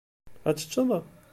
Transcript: Ad teččeḍ?